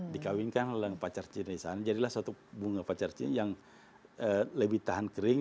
dikawinkan oleh pacar cina di sana jadilah suatu bunga pacar cina yang lebih tahan kering